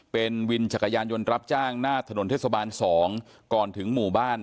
เป็นวินจักรยานยนต์รับจ้างหน้าถนนเทศบาล๒ก่อนถึงหมู่บ้าน